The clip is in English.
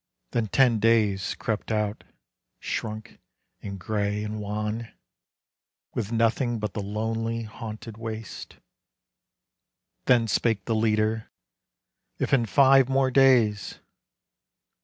Then ten days crept out shrunk and gray and wan, With nothing but the lonely, haunted waste. Then spake the leader, "If in five more days!"